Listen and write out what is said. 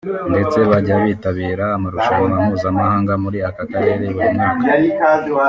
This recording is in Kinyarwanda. ndetse bajya bitabira amarushanwa mpuzamahanga muri aka karere buri mwaka